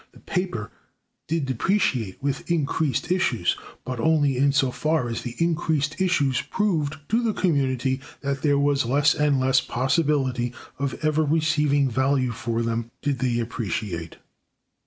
The paper did depreciate with increased issues. But only in so far as the increased issues proved to the community that there was less and less possibility of ever receiving value for them did they depreciate.